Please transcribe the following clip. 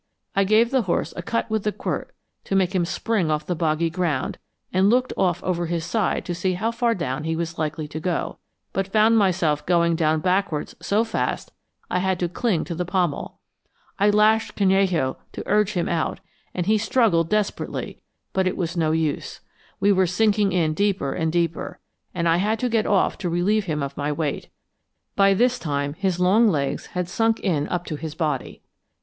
I gave the horse a cut with the quirt to make him spring off the boggy ground, and looked off over his side to see how far down he was likely to go, but found myself going down backwards so fast I had to cling to the pommel. I lashed Canello to urge him out, and he struggled desperately, but it was no use. We were sinking in deeper and deeper, and I had to get off to relieve him of my weight. By this time his long legs had sunk in up to his body.